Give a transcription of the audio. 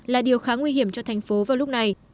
là điều khá nguy hiểm cho thành phố vào lúc này